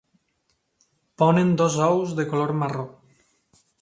Ponen dos ous de color marró.